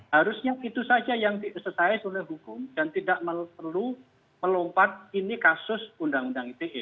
harusnya itu saja yang disertai oleh hukum dan tidak perlu melompat ini kasus undang undang ite